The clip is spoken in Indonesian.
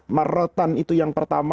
marrotan itu yang pertama